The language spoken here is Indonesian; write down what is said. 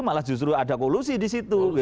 malah justru ada kolusi di situ